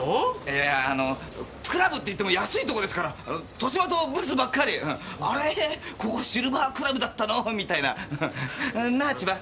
いやあのクラブっていっても安いとこですから年増とブスばっかり「あれ⁉ここシルバークラブだったの⁉」みたいななあ千葉？